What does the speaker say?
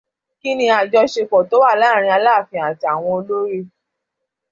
Kí ni àjọṣepọ̀ tó wà láàárín Aláàfin àti àwọn olorì?